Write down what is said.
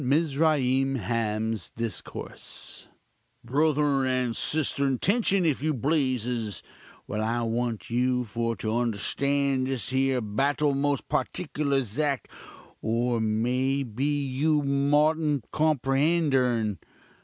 MIZRAIM HAM'S DISCOURSE "Bruthurn and sisturn, tention, if you pleases, while I want you for to understand this here battul most partiklur 'zact, or may be you moughtn't comprend urn.